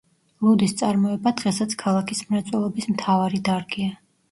ლუდის წარმოება დღესაც ქალაქის მრეწველობის მთავარი დარგია.